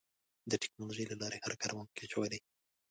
د ټکنالوجۍ له لارې هر کار ممکن شوی دی.